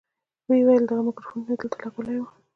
ويې ويل دغه ميکروفون مې دلته لګولى و.